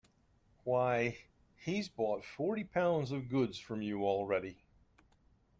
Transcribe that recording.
Why, he's bought forty pounds of goods from you already.